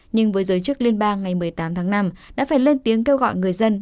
nhưng với giới chức liên bang ngày một mươi tám tháng năm đã phải lên tiếng kêu gọi người dân